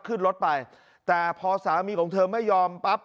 ขึ้นรถไปแต่พอสามีของเธอไม่ยอมปั๊บ